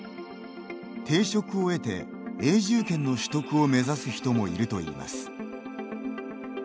定職を得て、永住権の取得を目指す人もいるといいます。